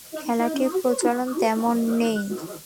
খেলাটির প্রচলন তেমন নেই।